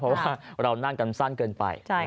เพราะว่าเรานั่งกันสั้นเกินไป